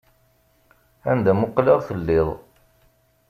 Anda muqleɣ telliḍ.